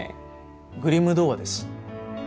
『グリム童話』です。